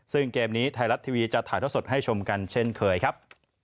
ซึ่งเกมนี้ไทยรัฐทีวีจะถ่ายเท่าสดให้ชมกันเช่นเคยครับ